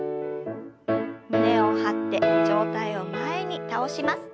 胸を張って上体を前に倒します。